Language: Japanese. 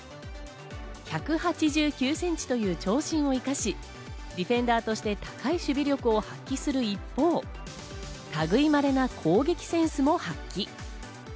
１８９センチという長身を生かし、ディフェンダーとして高い守備力を発揮する一方、類いまれな攻撃センスも発揮。